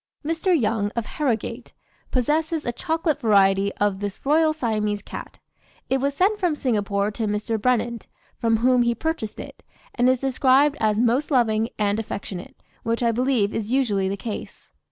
Mr. Young, of Harrogate, possesses a chocolate variety of this Royal Siamese cat; it was sent from Singapore to Mr. Brennand, from whom he purchased it, and is described as "most loving and affectionate," which I believe is usually the case.